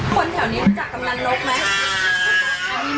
คนแถวนี้รู้จักกำนันนกไหม